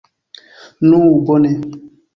Nu, bone!